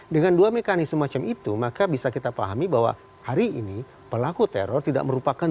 dengan dua mekanisme macam itu maka bisa kita pahami bahwa hari ini pelaku teror tidak merupakan